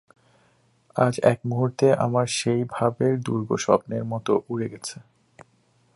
আজ এক মুহূর্তেই আমার সেই ভাবের দুর্গ স্বপ্নের মতো উড়ে গেছে।